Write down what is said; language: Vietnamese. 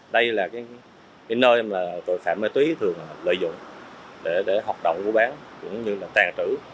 cái nơi mà tội phạm ma túy thường lợi dụng để hoạt động của bán cũng như là tàng trữ